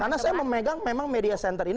karena saya memang memegang media center ini